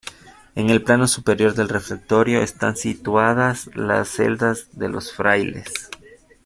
En el plano superior del refectorio están situadas las celdas de los frailes.